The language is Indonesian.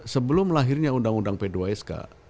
sebelum lahirnya undang undang p dua sk